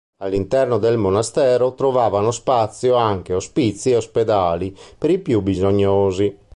All'interno del monastero trovavano spazio anche ospizi e ospedali per i più bisognosi.